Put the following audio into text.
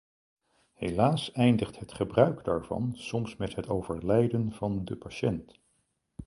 Helaas eindigt het gebruik daarvan soms met het overlijden van de patiënt.